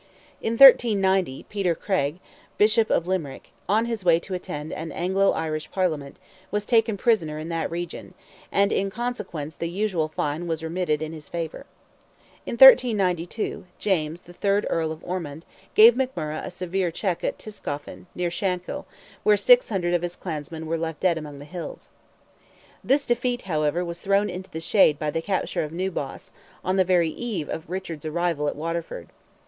In 1390, Peter Creagh, Bishop of Limerick, on his way to attend an Anglo Irish Parliament, was taken prisoner in that region, and in consequence the usual fine was remitted in his favour. In 1392, James, the third Earl of Ormond, gave McMurrogh a severe check at Tiscoffin, near Shankill, where 600 of his clansmen were left dead among the hills. This defeat, however, was thrown into the shade by the capture of New Ross, on the very eve of Richard's arrival at Waterford.